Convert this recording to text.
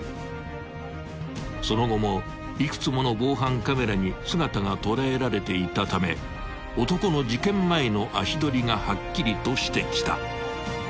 ［その後も幾つもの防犯カメラに姿が捉えられていたため男の事件前の足取りがはっきりとしてきた］